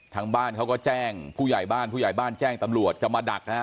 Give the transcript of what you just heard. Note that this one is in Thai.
ทางบ้านเขาก็แจ้งผู้ใหญ่บ้านผู้ใหญ่บ้านแจ้งตำรวจจะมาดักนะฮะ